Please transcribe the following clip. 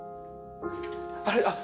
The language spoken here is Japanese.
あれあっ